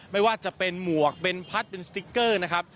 ไม่ว่าจะเป็นหมวกเป็นพัดเป็นสติ๊กเกอร์นะครับ